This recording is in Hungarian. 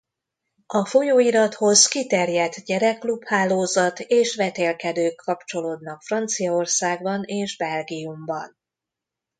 A folyóirathoz kiterjedt gyerekklub-hálózat és vetélkedők kapcsolódnak Franciaországban és Belgiumban.